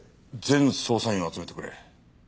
全捜査員を集めてくれ。